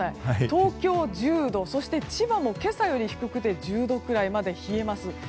東京は１０度千葉も今朝より低く１０度くらいまで下がります。